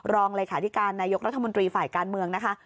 รองเลขาธิการนายกรัฐมนตรีฝ่ายการเมืองนะคะ